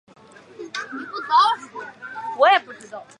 当我走在田间的时候